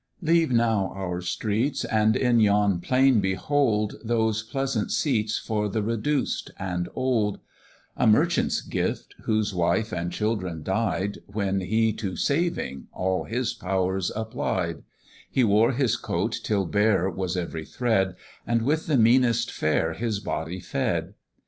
LEAVE now our streets, and in yon plain behold Those pleasant Seats for the reduced and old; A merchant's gift, whose wife and children died, When he to saving all his powers applied; He wore his coat till bare was every thread, And with the meanest fare his body fed.